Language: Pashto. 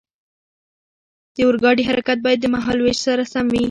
د اورګاډي حرکت باید د مهال ویش سره سم وي.